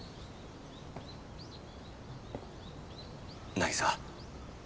凪沙